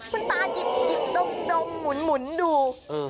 คุณตายิบดมหมุนดู